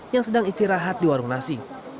yang sedang istirahat di warung nasi